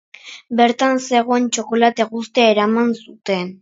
Bertan zegoen txokolate guztia eraman zuten.